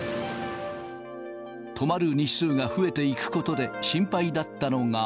泊まる日数が増えていくことで、心配だったのが。